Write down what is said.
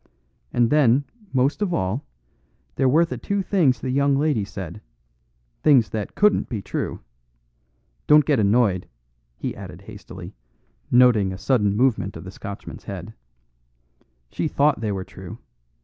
And then, most of all, there were the two things the young lady said things that couldn't be true. Don't get annoyed," he added hastily, noting a sudden movement of the Scotchman's head; "she thought they were true.